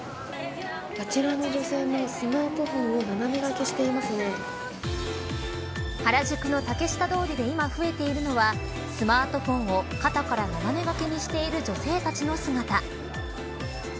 あちらの女性もスマートフォンを斜め掛けしていま原宿の竹下通りで今増えているのはスマートフォンを肩から斜めがけにしている女性たちの姿。